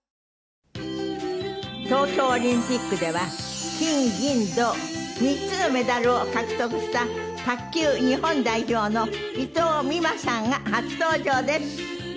東京オリンピックでは金銀銅３つのメダルを獲得した卓球日本代表の伊藤美誠さんが初登場です。